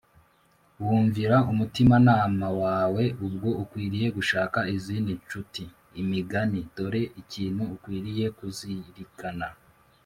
wumvira umutimanama wawe ubwo ukwiriye gushaka izindi ncuti Imigani Dore ikintu ukwiriye kuzirikana